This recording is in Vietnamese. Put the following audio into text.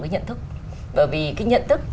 cái nhận thức bởi vì cái nhận thức